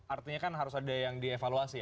artinya kan harus ada yang dievaluasi ya